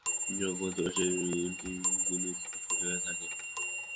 যোগাভ্যাসের দ্বারা ঐগুলির উৎপত্তি হয়ে থাকে।